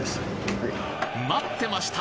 待ってました！